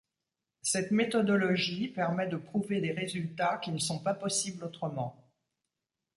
Cette méthodologie permet de prouver des résultats qui ne sont pas possibles autrement.